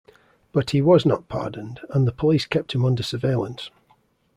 But he was not pardoned, and the police kept him under surveillance.